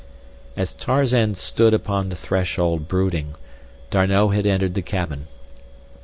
As Tarzan stood upon the threshold brooding, D'Arnot had entered the cabin.